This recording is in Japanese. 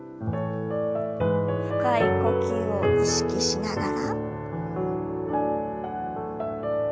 深い呼吸を意識しながら。